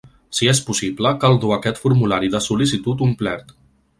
Si és possible, cal dur aquest formulari de sol·licitud omplert.